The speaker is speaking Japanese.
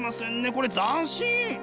これ斬新！